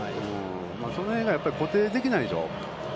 その辺が固定できないでしょう。